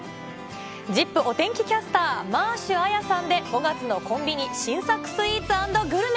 お天気キャスター、マーシュ彩さんで５月のコンビニ新作スイーツ＆グルメ。